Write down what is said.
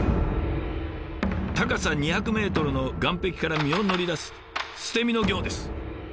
高さ２００メートルの岩壁から身を乗り出す捨て身の行です。